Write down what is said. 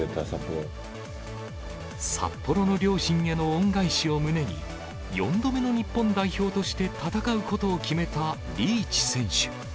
札幌の両親への恩返しを胸に、４度目の日本代表として戦うことを決めたリーチ選手。